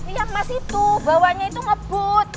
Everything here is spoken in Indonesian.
iya mas itu bawanya itu ngebut